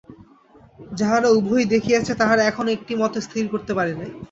যাহারা উভয়ই দেখিয়াছে, তাহারা এখনও একটা মত স্থির করিতে পারে নাই।